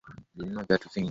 Nilinunu viatu vingi.